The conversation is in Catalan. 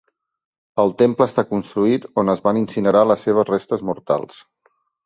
El temple està construït on es van incinerar les seves restes mortals.